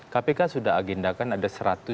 kpk sudah agendakan ada